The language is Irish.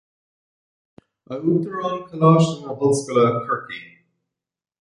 A Uachtaráin Coláiste na hOllscoile Corcaigh